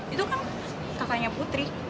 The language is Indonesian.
itu kan kakaknya putri